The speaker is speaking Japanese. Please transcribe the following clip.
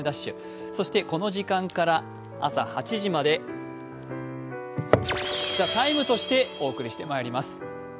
そしてこの時間から朝８時まで「ＴＨＥＴＩＭＥ，」としてお送りしてまいります。